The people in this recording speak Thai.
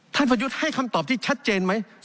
ท่านพยุดให้คำตอบที่ชัดเจนไหม